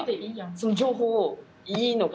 その情報をいいのか？